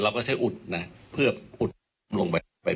เราก็ใช้อุดนะเพื่ออุดลงไป